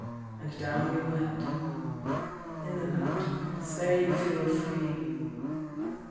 And down we went. In the mountains, there you feel free.